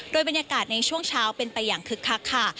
โดยบรรยากาศในช่วงเช้าเป็นไปอย่างคึกคักค่ะ